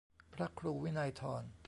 พระครูวินัยธร